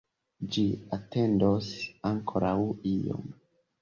Ĝi atendos ankoraŭ iom.